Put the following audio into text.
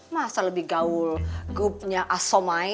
masa lebih gaul grupnya asomai